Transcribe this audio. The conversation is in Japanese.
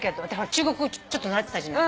中国語ちょっと習ってたじゃない。